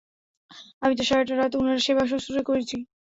আমি তো সারাটা রাত উনার সেবা শুশ্রূষা করেছি!